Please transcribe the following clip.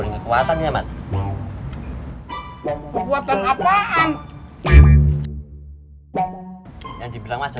lama mah dibuna fueknya